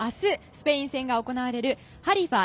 スペイン戦が行われるハリファ